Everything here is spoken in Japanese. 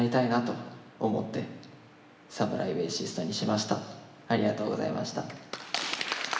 えっとあのありがとうございました。